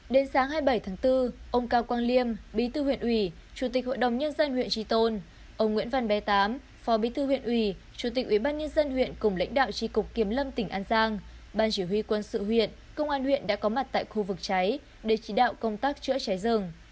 đến sáng hai mươi bảy tháng bốn ông cao quang liêm bí tư huyện ủy chủ tịch hội đồng nhân dân huyện trì tôn ông nguyễn văn bé tám phó bí tư huyện ủy chủ tịch ủy ban nhân dân huyện cùng lãnh đạo tri cục kiếm lâm tỉnh an giang ban chỉ huy quân sự huyện công an huyện đã có mặt tại khu vực cháy để chỉ đạo công tác chữa cháy rừng